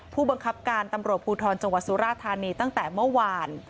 ผู้บังคับการตำรวจภูทรจังหวัดสุราธานีตั้งแต่เมื่อวาน